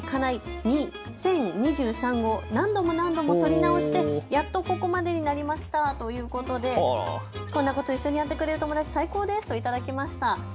２０２３を何度も何度も撮り直してやっとここまでになりましたということでこんなこと一緒にやってくれる友達、最高ですと頂きました。